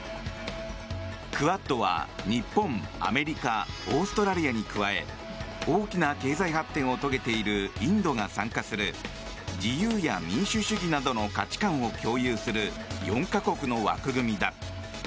クアッドは日本、アメリカオーストラリアに加え大きな経済発展を遂げているインドが参加する自由や民主主義などの価値観を共有する４か国の枠組みだ。